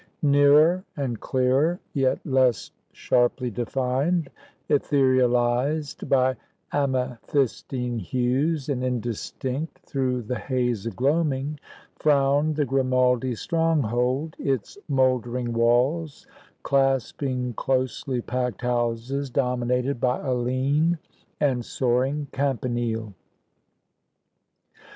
Nearer and clearer, yet less sharply defined, etherealised by amethystine hues, and indistinct through the haze of gloaming, frowned the Grimaldi stronghold, its mouldering walls, clasping closely packed houses, dominated by a lean and soaring campanile.